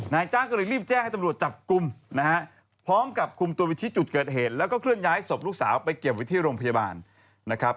นายจ้างก็เลยรีบแจ้งให้ตำรวจจับกลุ่มนะฮะพร้อมกับคุมตัวไปชี้จุดเกิดเหตุแล้วก็เคลื่อนย้ายศพลูกสาวไปเก็บไว้ที่โรงพยาบาลนะครับ